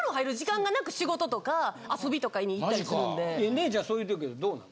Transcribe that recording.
姉ちゃんそういう時はどうなの？